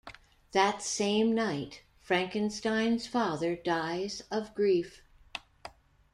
That same night, Frankenstein's father dies of grief.